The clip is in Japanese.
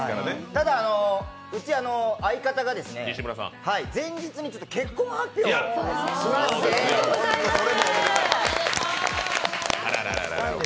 ただ、うち、相方が前日に結婚発表をしまして。